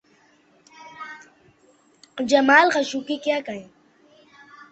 جمال Khashoggi… کیا کہیں؟